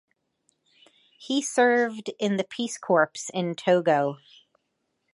He served in the Peace Corps in Togo.